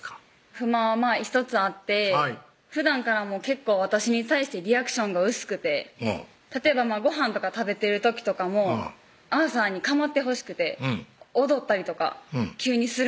不満は１つあってふだんからも結構私に対してリアクションが薄くて例えばごはんとか食べてる時とかもアーサーに構ってほしくて踊ったりとか急にするんです